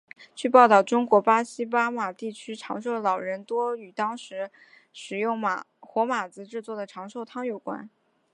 据报道中国广西巴马地区长寿老人多与当地食用火麻子制作的长寿汤有关。